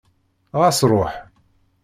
Ɣas ruḥ!